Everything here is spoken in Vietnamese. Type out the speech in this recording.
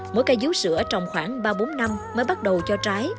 mỗi cây dú sữa trồng khoảng ba bốn năm mới bắt đầu cho trái